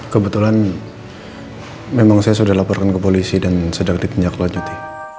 kebetulan memang saya sudah dilaporkan ke polisi dan sedang ditinjak lanjuti